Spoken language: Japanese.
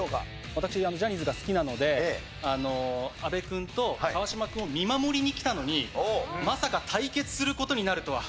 私ジャニーズが好きなので阿部君と川島君を見守りに来たのにまさか対決する事になるとは。